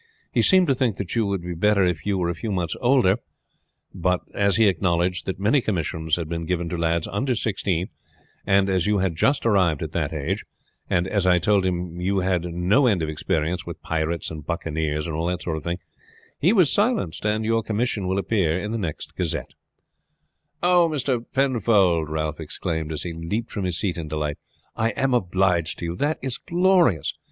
He seemed to think that you would be better if you were a few months older; but as he acknowledged that many commissions had been given to lads under sixteen, and as you had just arrived at that age, and as I told him you have had no end of experience with pirates and buccaneers, and all that sort of thing, he was silenced, and your commission will appear in the next Gazette." "Oh, Mr. Penfold!" Ralph exclaimed as he leaped from his seat in delight. "I am obliged to you. That is glorious.